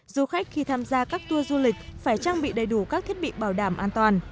du khách khi tham gia các tour du lịch phải trang bị đầy đủ các thiết bị bảo đảm an toàn